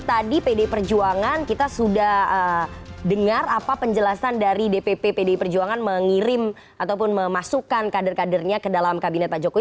tadi pdi perjuangan kita sudah dengar apa penjelasan dari dpp pdi perjuangan mengirim ataupun memasukkan kader kadernya ke dalam kabinet pak jokowi